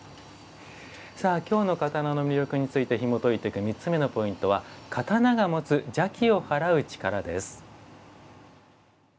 京の刀の魅力についてひもといていく３つ目のポイントは「刀が持つ『邪気を払う』力」。